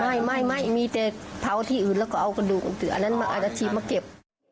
ไม่มีแต่เผ้าที่อื่นแล้วก็เอากระดูกอาจารย์มาเก็บ